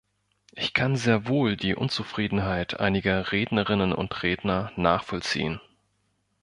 Ich kann sehr wohl die Unzufriedenheit einiger Rednerinnen und Redner nachvollziehen.